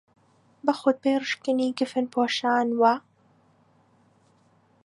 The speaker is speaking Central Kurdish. بە خوتبەی ڕشکنی کفنپۆشان و